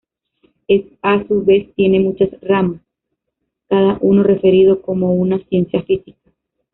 Es a su vez tiene muchas ramas, cada uno referido como una "ciencia física".